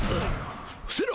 伏せろ！